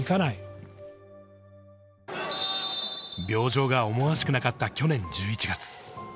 病状が思わしくなかった去年１１月。